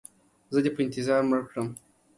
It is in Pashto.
زه دې په انتظار مړ کړم.